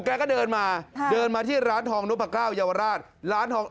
แกก็เดินมาเดินมาที่ร้านทองนพก้าวเยาวราชร้านทอง